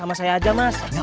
kamu menghadap saya